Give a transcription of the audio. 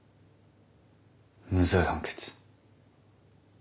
無罪判決。